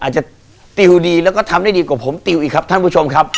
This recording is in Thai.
อาจจะติวดีแล้วก็ทำได้ดีกว่าผมติวอีกครับท่านผู้ชมครับ